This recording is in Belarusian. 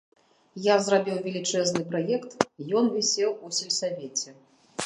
Я зрабіў велічэзны праект, ён вісеў у сельсавеце.